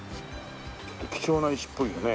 ちょっと貴重な石っぽいよね。